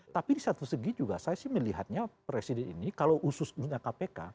tapi di satu segi juga saya sih melihatnya presiden ini kalau usus punya kpk